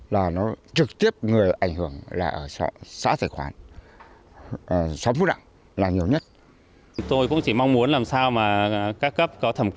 là nó trực tiếp người ảnh hưởng là xã thạch khoán